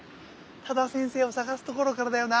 多田先生を探すところからだよな。